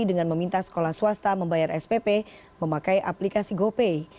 dengan meminta sekolah swasta membayar spp memakai aplikasi gopay